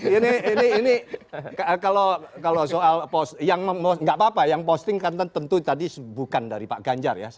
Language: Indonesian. ini kalau soal yang nggak apa apa yang posting kan tentu tadi bukan dari pak ganjar ya